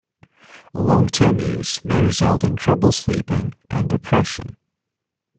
Long term use may result in trouble sleeping and depression.